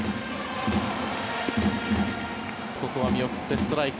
ここは見送ってストライク。